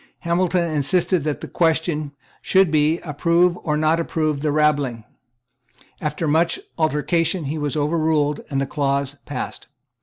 Hamilton insisted that the question, should be, "Approve or not approve the rabbling?" After much altercation, he was overruled, and the clause passed.